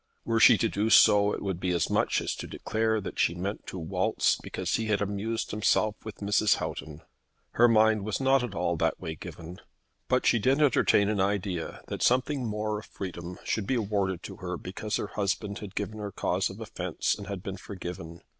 Were she to do so it would be as much as to declare that she meant to waltz because he had amused himself with Mrs. Houghton. Her mind was not at all that way given. But she did entertain an idea that something more of freedom should be awarded to her because her husband had given her cause of offence and had been forgiven.